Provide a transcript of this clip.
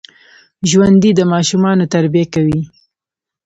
ژوندي د ماشومانو تربیه کوي